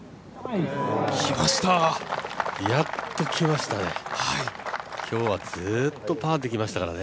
やっときましたね。